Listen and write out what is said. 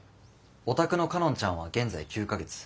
お宅の佳音ちゃんは現在９か月。